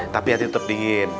tapi hati tetap dingin